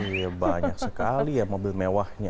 iya banyak sekali ya mobil mewahnya